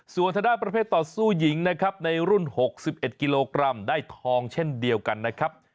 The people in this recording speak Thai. ส่วนทางด้านประเภทต่อสู้หญิงนะครับในรุ่น๖๑กิโลกรัมได้ทองเช่นเดียวกันนะครับ